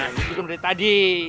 nah itu kan dari tadi